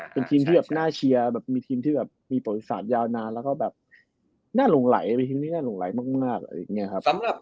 เป็นทีมที่น่าเชียร์มีปริศาจยาวนานแล้วก็น่าลงไหลมาก